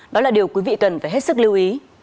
đó là điều quý vị cần phải hết sức lưu ý